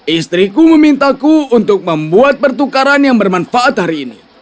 istriku memintaku untuk membuat pertukaran yang bermanfaat hari ini